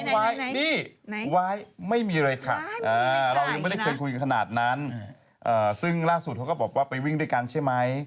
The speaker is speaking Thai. ไว้นี่ไว้ไม่มีเลยค่ะเรายังไม่ได้เคยคุยกันขนาดนั้นซึ่งล่าสุดเขาก็บอกว่าไปวิ่งด้วยกันใช่ไหม